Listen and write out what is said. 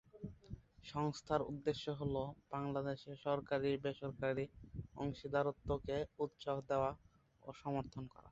সংস্থার উদ্দেশ্য হ'ল বাংলাদেশে সরকারী-বেসরকারী অংশীদারত্ব কে উৎসাহ দেওয়া এবং সমর্থন করা।